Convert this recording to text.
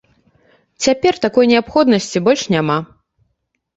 Цяпер такой неабходнасці больш няма.